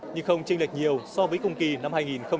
nhưng không trinh lệch nhiều so với công kỳ năm hai nghìn hai mươi ba